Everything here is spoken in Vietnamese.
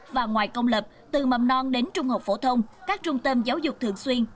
và ngoài công lập từ mầm non đến trung học phổ thông các trung tâm giáo dục thường xuyên